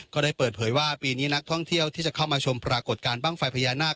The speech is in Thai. ก็ได้เปิดเผยว่าปีนี้นักท่องเที่ยวที่จะเข้ามาชมปรากฏการณ์บ้างไฟพญานาค